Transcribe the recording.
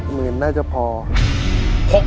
๖หนึ่งน่าจะพอนะครับ